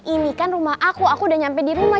ini kan rumah aku aku udah nyampe di rumah